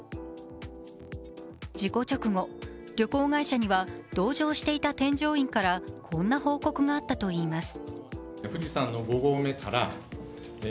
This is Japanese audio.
事故直後、旅行会社には同乗していた添乗員からこんな報告があったといいます。